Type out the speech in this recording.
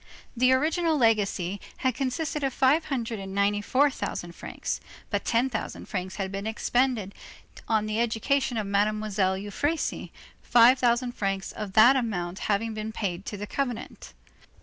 The original legacy had consisted of five hundred and ninety four thousand francs; but ten thousand francs had been expended on the education of Mademoiselle Euphrasie, five thousand francs of that amount having been paid to the convent.